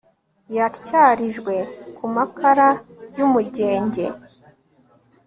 yatyarijwe ku makara y'umugenge